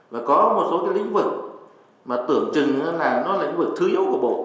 và có một số cái lĩnh vực mà tưởng chừng là lĩnh vực thứ yếu của bộ